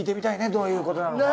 どういうことなのか。